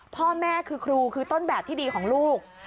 พ่อแม่คือครูคือต้นแบบที่ดีของลูก